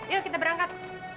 yuk kita berangkat